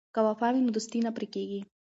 که وفا وي نو دوستي نه پرې کیږي.